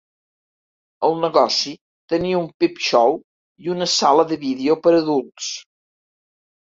El negoci tenia un 'peep-show' i una sala de vídeo per a adults.